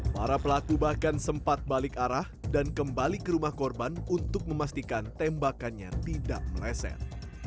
para pelaku bahkan sempat balik arah dan kembali ke rumah korban untuk memastikan tembakannya tidak meleset